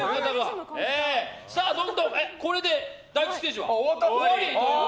これで第１ステージは終わり。